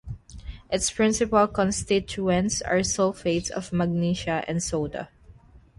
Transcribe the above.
Its principal constituents are sulphates of magnesia and soda.